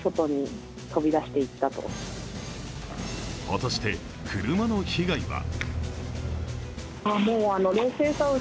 果たして車の被害は？